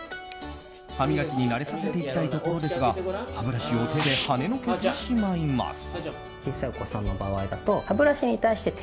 歯磨きに慣れさせていきたいところですが歯ブラシを手ではねのけてしまいます。